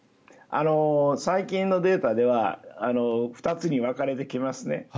最近のデータでは２つに分かれてきますね。